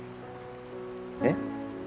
えっ？